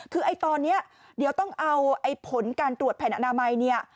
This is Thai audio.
คือตอนนี้เดี๋ยวต้องเอาผลการตรวจแผนอนามัย